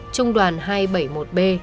trung đoàn hai trăm bảy mươi một b